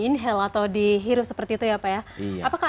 inhale atau dihirup seperti itu ya pak ya